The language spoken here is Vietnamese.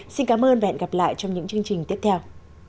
xin cảm ơn và hẹn gặp lại trong những chương trình tiếp theo